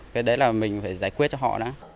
cái đấy là mình phải giải quyết cho họ